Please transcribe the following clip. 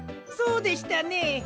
そうでしたね。